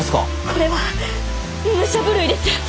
これは武者震いです。